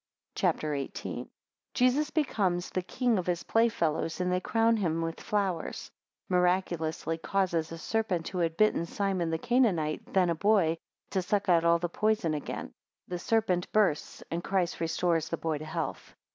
CHAPTER XVIII. 1 Jesus becomes the king of his playfellows, and they crown him with flowers; 4 miraculously causes a serpent who had bitten Simon the Canaanite, then a boy, to suck out all the poison again; 16 the serpent bursts, and Christ restores the boy to health.